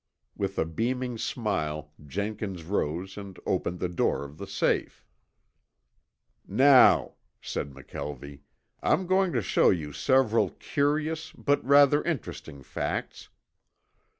With a beaming smile Jenkins rose and opened the door of the safe. "Now," said McKelvie, "I'm going to show you several curious, but rather interesting facts."